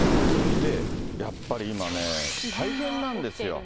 で、やっぱり今ね、大変なんですよ。